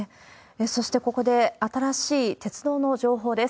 そして、ここで新しい鉄道の情報です。